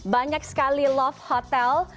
banyak sekali love hotel